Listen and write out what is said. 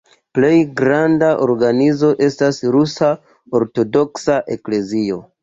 Plej granda organizo estas Rusa Ortodoksa Eklezio.